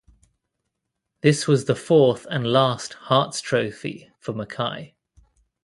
This was the fourth and last Hearts trophy for Mackay.